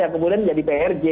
yang kemudian jadi petrobras